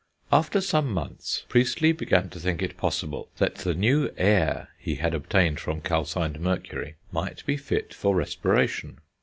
After some months Priestley began to think it possible that the new "air" he had obtained from calcined mercury might be fit for respiration.